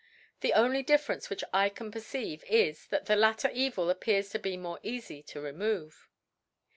The only Difference which I can perceive is, that the latter Evil appears to be more eafy to remove.